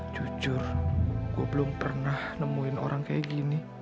jujur gue belum pernah nemuin orang kayak gini